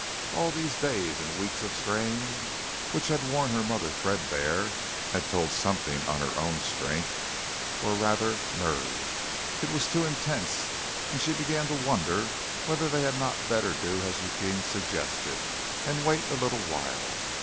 All these days and weeks of strain, which had worn her mother threadbare had told something on her own strength, or rather nerve. It was too intense, and she began to wonder whether they had not better do as Eugene suggested, and wait a little while.